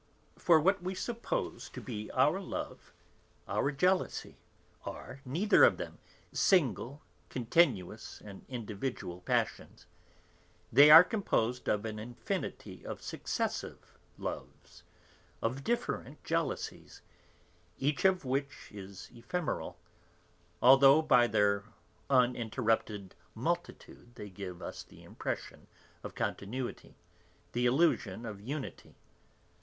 For what we suppose to be our love, our jealousy are, neither of them, single, continuous and individual passions. They are composed of an infinity of successive loves, of different jealousies, each of which is ephemeral, although by their uninterrupted multitude they give us the impression of continuity, the illusion of unity.